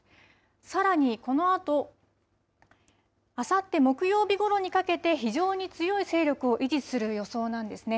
さらにこのあと、あさって木曜日ごろにかけて、非常に強い勢力を維持する予想なんですね。